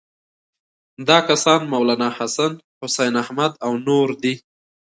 دا کسان مولناحسن، حسین احمد او نور دي.